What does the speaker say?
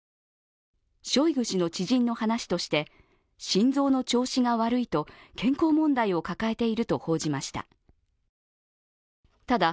ショイグ氏の知人の話として、心臓の調子が悪いと健康問題を抱えていると報じました。